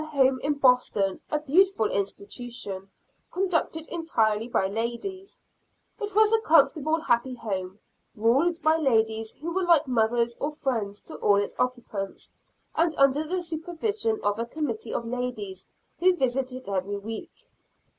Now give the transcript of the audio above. home in Boston, a beautiful institution, conducted entirely by ladies. It was a comfortable, happy home, ruled by ladies who were like mothers or friends to all its occupants, and under the supervision of a committee of ladies who visit it every week.